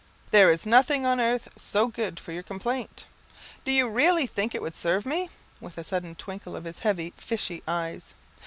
"There is nothing on earth so good for your complaint." "Do you reelly think it would serve me?" with a sudden twinkle of his heavy fishy eyes.